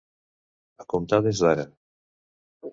A comptar des d'ara.